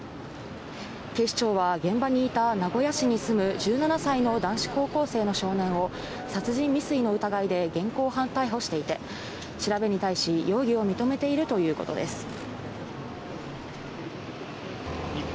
警視庁は現場にいた名古屋市に住む１７歳の少年の男子高校生を、殺人未遂の疑いで現行犯逮捕していて、調べに対し容疑を認めているということです。